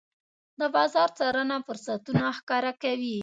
د بازار څارنه فرصتونه ښکاره کوي.